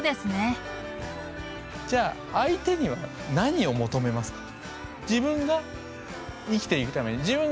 じゃあ相手には何を求めますか？